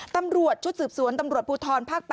ตำรวจชุดสืบสวนตำรวจภูทรภาค๘